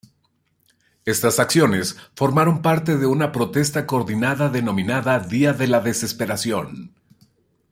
Estas acciones formaron parte de una protesta coordinada denominada "Día de la desesperación".